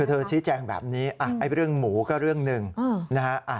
คือเธอชี้แจงแบบนี้อ่ะไอ้เรื่องหมูก็เรื่องหนึ่งนะฮะอ่ะ